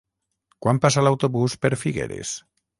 Quan passa l'autobús per Figueres?